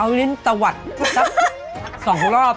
เอาลิ้นตะวัดสัก๒รอบ